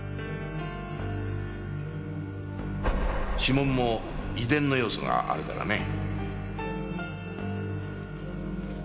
指紋も遺伝の要素があるからね。